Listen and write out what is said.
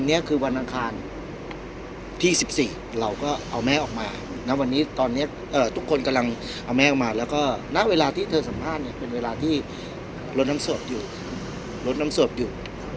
เอ่อทุกคนกำลังเอาแม่ออกมาแล้วก็ณเวลาที่เธอสัมภาษณ์เนี้ยเป็นเวลาที่รถน้ำสวบอยู่รถน้ำสวบอยู่